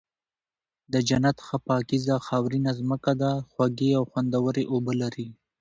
د جنت ښه پاکيزه خاورينه زمکه ده، خوږې او خوندوَري اوبه لري